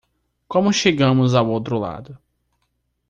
Como chegamos ao outro lado?